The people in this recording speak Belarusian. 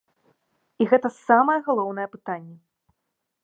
І гэта самае галоўнае пытанне!